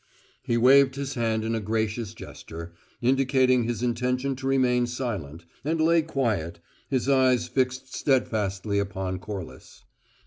He waved his hand in a gracious gesture, indicating his intention to remain silent, and lay quiet, his eyes fixed steadfastly upon Corliss.